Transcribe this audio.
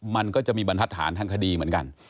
มันก็จะมีบรรทัศนทางคดีเหมือนกัน